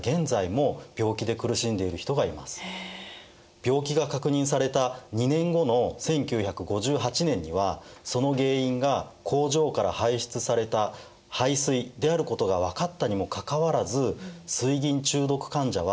病気が確認された２年後の１９５８年にはその原因が工場から排出された廃水であることが分かったにもかかわらず水銀中毒患者はその後も増え続けてしまったんです。